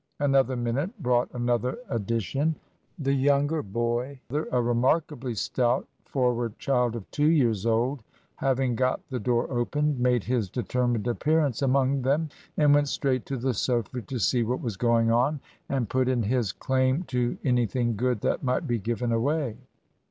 "Another minute brought another addition. The younger boy, a remarkably stout, for ward child of two years old, having got the door opened, made his determined appearance among them, and went straight to the sofa to see what was going on, and 53 Digitized by VjOOQIC HEROINES OF FICTION put in his claim to anything good that might be given away.